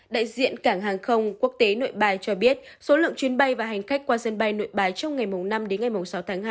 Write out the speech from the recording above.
đại diện cảng hàng không quốc tế nội bay cho biết số lượng chuyến bay và hành khách qua sân bay nội bay trong ngày năm sáu tháng hai